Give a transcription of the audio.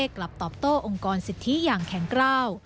กลับตอบโต้องค์กรสิทธิอย่างแข็งกล้าว